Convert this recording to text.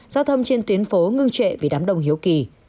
giao thông trên tuyến phố ngưng trệ vì đám đồng hiếu kỳ